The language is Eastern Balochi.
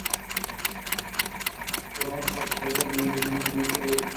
رَوَان آسکّ باز دور ماں آزمان ءِ دیما سر بُوت